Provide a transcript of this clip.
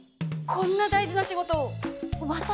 こんな大事な仕事を私が？